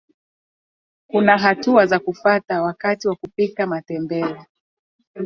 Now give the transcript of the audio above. kuna hatua za kufata wakati wa kupika matembele